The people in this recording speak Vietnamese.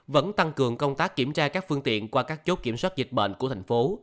vẫn tăng cường công tác kiểm tra các phương tiện qua các chốt kiểm soát dịch bệnh của thành phố